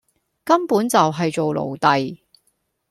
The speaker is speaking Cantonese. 根本就係做奴隸